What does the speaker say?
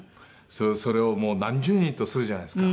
それをもう何十人とするじゃないですか。